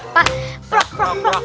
pak perak perak perak